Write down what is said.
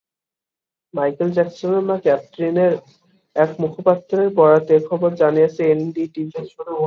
Michael জ্যাকসনের মা ক্যাথরিনের এক মুখপাত্রের বরাতে এ খবর জানিয়েছে এনডিটিভি।